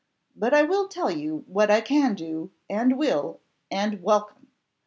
But I will tell you what I can do, and will, and welcome.